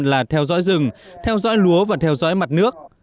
là theo dõi rừng theo dõi lúa và theo dõi mặt nước